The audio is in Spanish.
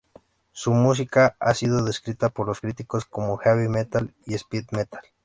Su música ha sido descrita por los críticos como Heavy metal y Speed metal.